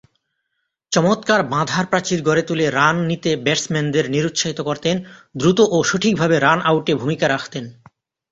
চমৎকার বাঁধার প্রাচীর গড়ে তুলে রান নিতে ব্যাটসম্যানদেরকে নিরুৎসাহিত করতেন, দ্রুত ও সঠিকভাবে রান আউটে ভূমিকা রাখতেন।